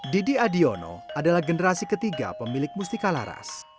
didi adiono adalah generasi ketiga pemilik musti kalaras